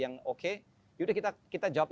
yang oke ya udah kita jawab